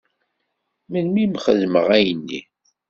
Melmi i m-xedmeɣ ayenni?